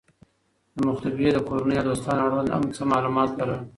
د مخطوبې د کورنۍ او دوستانو اړوند هم څه معلومات لرل